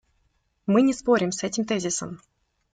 Мы не спорим с этим тезисом.